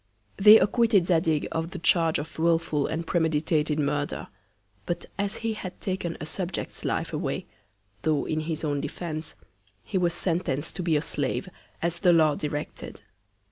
They acquitted Zadig of the Charge of wilful and premeditated Murder; but as he had taken a Subject's Life away, tho' in his own Defence, he was sentenc'd to be a Slave, as the Law directed.